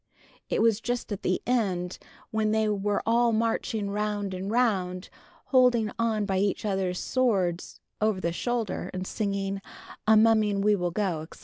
It was just at the end, when they were all marching round and round, holding on by each other's swords "over the shoulder," and singing "A mumming we will go, etc.